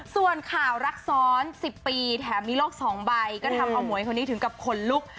ส่วนข่าวรักซ้อน๑๐ปีแถมมีโลก๒ใบก็ทำเอาหวยคนนี้ถึงกับขนลุก